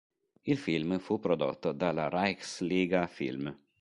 Il film fu prodotto dalla Reichsliga-Film.